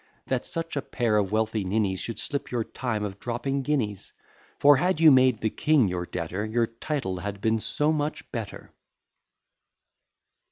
That such a pair of wealthy ninnies Should slip your time of dropping guineas; For, had you made the king your debtor, Your title had been so much better.